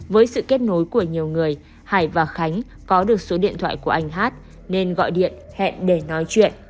với sự kết nối của nhiều người hải và khánh có được số điện thoại của anh hát nên gọi điện hẹn để nói chuyện